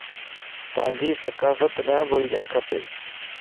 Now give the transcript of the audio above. پانجي ثقافت نه بُلجڙ کپا